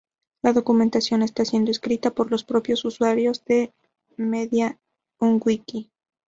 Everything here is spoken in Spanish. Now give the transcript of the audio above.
La documentación está siendo escrita por los propios usuarios mediante un Wiki.